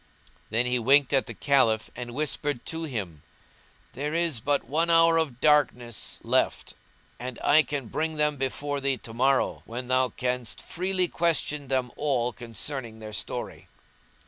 Then he winked at the Caliph and whispered to him, "There is but one hour of darkness left and I can bring them before thee to morrow, when thou canst freely question them all concerning their story."